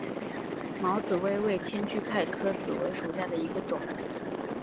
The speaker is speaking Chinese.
毛紫薇为千屈菜科紫薇属下的一个种。